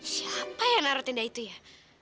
siapa yang taruh tindak itu ya